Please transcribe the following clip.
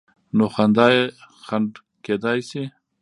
نو خندا یې خنډ کېدای شي.